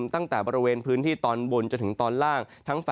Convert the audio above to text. ตั้งแต่บริเวณพื้นที่ตอนบนจนถึงตอนล่าง